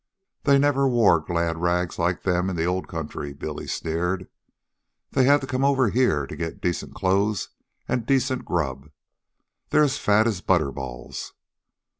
"They never wore glad rags like them in the old country," Billy sneered. "They had to come over here to get decent clothes and decent grub. They're as fat as butterballs."